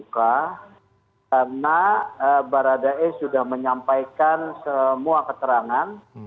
karena barat dae sudah menyampaikan semua keterangan